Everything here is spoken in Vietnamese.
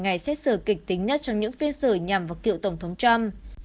ngày xét xử kịch tính nhất trong những phiên xử nhằm vào cựu tổng thống trump